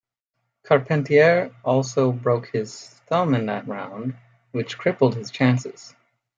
Carpentier also broke his thumb in that round, which crippled his chances.